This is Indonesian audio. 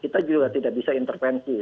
kita juga tidak bisa intervensi